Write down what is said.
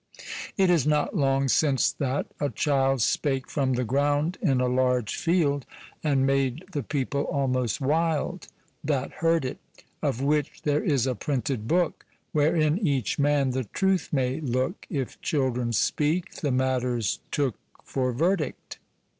It is not long since that a child Spake from the ground in a large field, And made the people almost wild That heard it, Of which there is a printed book, Wherein each man the truth may look, If children speak, the matter's took For verdict.